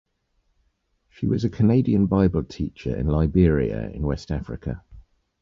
She was a Canadian Bible teacher in Liberia in West Africa.